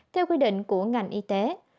theo quy định của ngành y tế